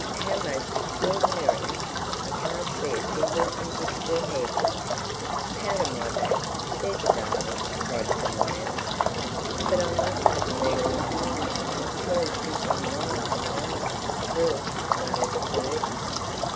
"How most extraordinary! I can't see a single invisible hair pin." "Powder my back, there's a darling," cried some one else. "But I must have a needle and cotton. I've torn simply miles and miles of the frill," wailed a third.